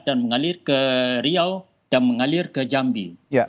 dan mengalir ke riau dan mengalir ke jambi